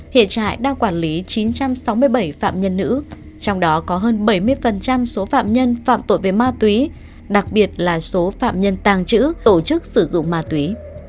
hiện trại đang quản lý chín trăm sáu mươi bảy phạm nhân nữ trong đó có hơn bảy mươi số phạm nhân phạm tội về ma túy đặc biệt là số phạm nhân tàng trữ tổ chức sử dụng ma túy